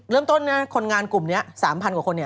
เริ่มต้นคนงานกลุ่มนี้๓๐๐กว่าคน